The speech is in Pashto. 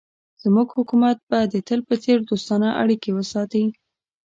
زموږ حکومت به د تل په څېر دوستانه اړیکې وساتي.